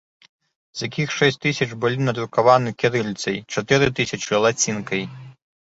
З якіх шэсць тысяч былі надрукаваны кірыліцай, чатыры тысячы лацінкай.